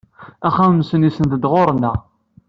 Axxam-nsen isenned-d ɣer-neɣ.